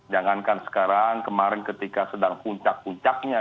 jangankan sekarang kemarin ketika sedang puncak puncaknya